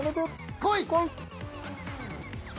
こい！